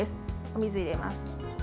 お水を入れます。